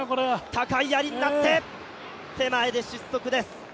高いやりになって、手前で失速です。